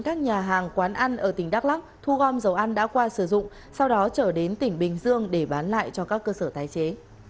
ăn đã qua sử dụng sau đó trở đến tỉnh bình dương để bán lại cho các cơ sở tái chế